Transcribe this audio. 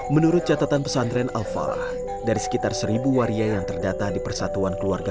menurut catatan pesantren al falah dari sekitar seribu waria yang terdata di persatuan keluarga